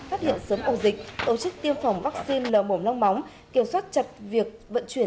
phát hiện sớm ổ dịch tổ chức tiêm phòng vaccine lở mồm long móng kiểm soát chặt việc vận chuyển